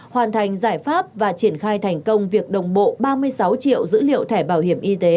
hoàn thành giải pháp và triển khai thành công việc đồng bộ ba mươi sáu triệu dữ liệu thẻ bảo hiểm y tế